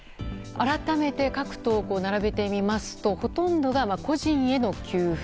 改めて、各党並べてみますとほとんどが個人への給付。